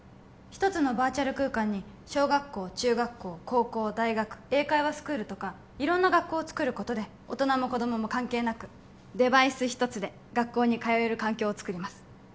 一つのバーチャル空間に小学校中学校高校大学英会話スクールとか色んな学校を作ることで大人も子供も関係なくデバイス一つで学校に通える環境を作ります